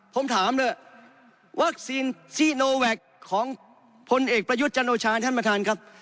ผมถามเลยวัคซีนซีโนแวคของพลเอกประยุทธ์จันโอชาท่านประธานครับ